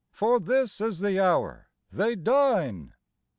For this is the hour they dine.